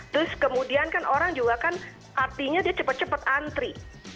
terus kemudian kan orang juga kan artinya dia cepat cepat antri